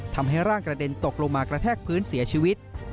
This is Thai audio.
ทำให้ร่างกระเด็นตกลงมากระแทกพื้นเสียชีวิต